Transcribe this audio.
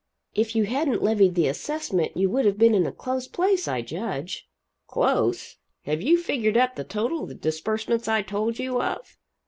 "If you hadn't levied the assessment you would have been in a close place I judge?" "Close? Have you figured up the total of the disbursements I told you of?"